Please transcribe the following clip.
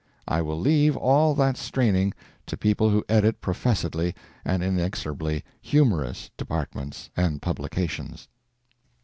I will leave all that straining to people who edit professedly and inexorably "humorous" departments and publications.